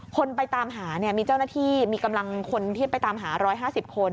คนไปตามหาเนี่ยมีเจ้าหน้าที่มีกำลังคนที่ไปตามหา๑๕๐คน